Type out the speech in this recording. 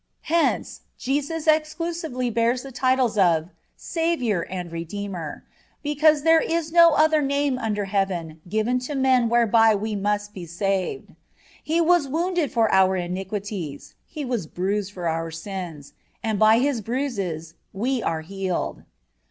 Hence Jesus exclusively bears the titles of Savior and Redeemer, because "there is no other name under heaven given to men whereby we must be saved."(7) "He was wounded for our iniquities; He was bruised for our sins, ... and by His bruises we are healed."